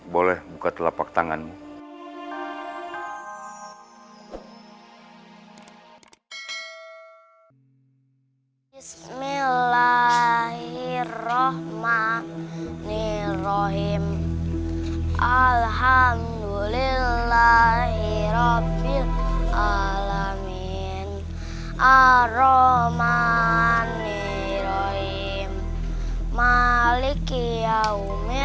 boleh buka telapak tanganmu